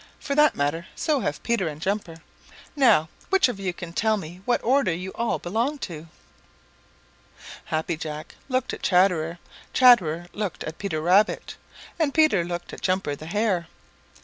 For that matter, so have Peter and Jumper. Now which of you can tell me what order you all belong to?" Happy Jack looked at Chatterer, Chatterer looked at Peter Rabbit, and Peter looked at Jumper the Hare.